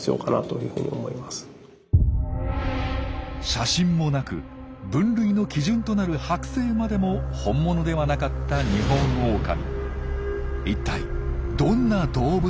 写真も無く分類の基準となるはく製までも本物ではなかったニホンオオカミ。